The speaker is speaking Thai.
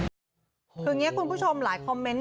คืออย่างนี้คุณผู้ชมหลายคอมเมนต์